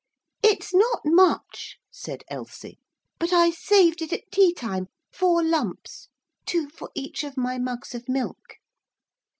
'It's not much,' said Elsie, 'but I saved it at tea time. Four lumps. Two for each of my mugs of milk.'